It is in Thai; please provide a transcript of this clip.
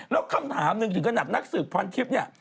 แล้วคำถามหนึ่งถึงกระหนักนักสืบพร้อมทริปเนี่ย